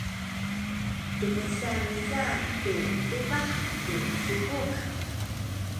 tumesan niza tu tubah ku subuk.